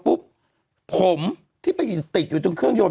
ปุ๊บผมที่ไปติดอยู่ตรงเครื่องยนต